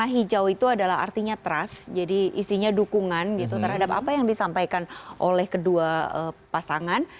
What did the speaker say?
hijau itu adalah artinya trust jadi isinya dukungan gitu terhadap apa yang disampaikan oleh kedua pasangan